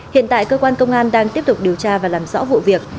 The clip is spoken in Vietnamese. hiện tại cơ quan công an đang tiếp tục điều tra và làm rõ vụ việc